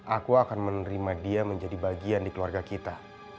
aku akan menerima dia menjadi bagian di keluarga kita